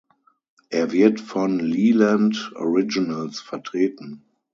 Er wird von Leland Originals vertreten.